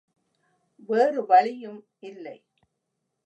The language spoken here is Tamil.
வேறு வழியும் இல்லை.